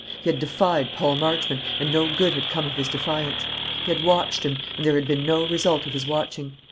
He had defied Paul Marchmont, and no good had come of his defiance. He had watched him, and there had been no result of his watching.